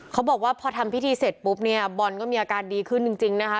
เขาบอกว่าพอทำพิธีเสร็จปุ๊บเนี่ยบอลก็มีอาการดีขึ้นจริงนะคะ